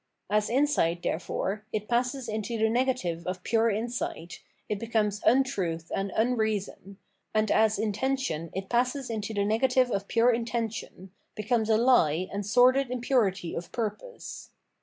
As insight, therefore, it passes into the negative of pure insight, it becomes xmtruth and unreason ; and as inten tion it passes into the negative of pure intention, becomes a he and sordid impurity of purpose.